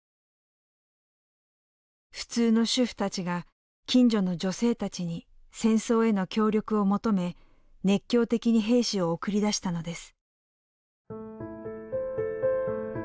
普通の主婦たちが近所の女性たちに戦争への協力を求め熱狂的に兵士を送り出したのです。